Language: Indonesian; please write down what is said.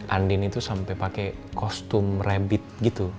andin itu sampai pakai kostum rabbit gitu